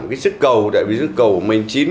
cái sức cầu tại vì sức cầu của mình